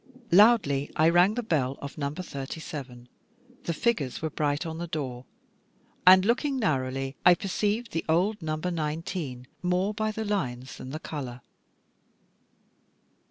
Loudly I rang the bell of No. 37; the figures were bright on the door, and looking narrowly, I perceived the old No. 19, more by the lines than the colour.